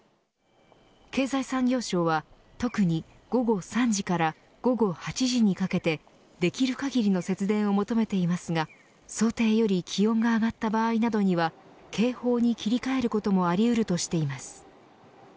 経済産業省は特に午後３時から午後８時にかけてできる限りの節電を求めていますが想定より気温が上がった場合などには警報に切り替えることもあり得るとしています。